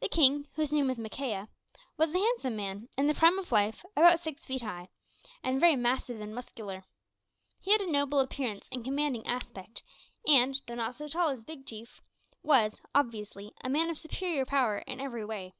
The king, whose name was Makea, was a handsome man, in the prime of life, about six feet high, and very massive and muscular. He had a noble appearance and commanding aspect, and, though not so tall as Big Chief, was, obviously, a man of superior power in every way.